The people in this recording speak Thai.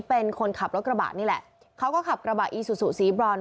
เป็นคนขับรถกระบะนี่แหละเขาก็ขับกระบะอีซูซูสีบรอน